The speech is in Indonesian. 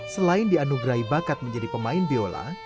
selain dianugerahi bakat menjadi pemain biola